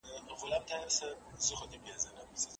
د پخوانیو څېړونکو ګټوري تجربي باید تل په پام کي ونیول سي.